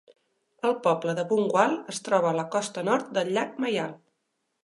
El poble de Bungwahl es troba a la costa nord del llac Myall.